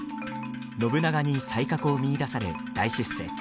信長に才覚を見いだされ大出世。